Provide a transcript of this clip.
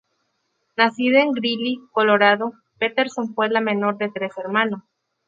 Nacida en Greeley, Colorado, Peterson fue la menor de tres hermanos.